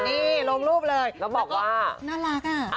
นี่ลงรูปเลยแล้วบอกว่าน่ารักอ่ะ